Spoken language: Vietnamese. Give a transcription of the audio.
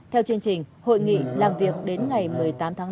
theo chương trình hội nghị làm việc đến ngày một mươi tám tháng năm